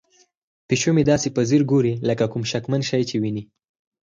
پیشو مې داسې په ځیر ګوري لکه کوم شکمن شی چې ویني.